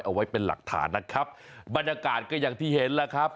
เอาไว้เป็นหลักฐานนะครับบรรยากาศก็อย่างที่เห็นแล้วครับ